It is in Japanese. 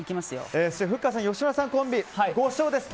ふっかさん、吉村さんコンビは５勝です。